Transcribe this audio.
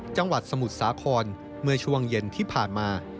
สมุทรสาครเมื่อช่วงเย็นที่ผ่านมา